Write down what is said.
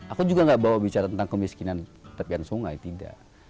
aku juga gak bawa bicara tentang kemiskinan tepian sungai tidak